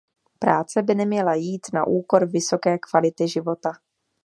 Práce by neměla jít na úkor vysoké kvality života.